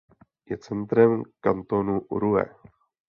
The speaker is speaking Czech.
Je centrem kantonu Rue.